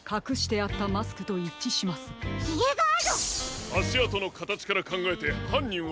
あしあとのかたちからかんがえてはんにんは。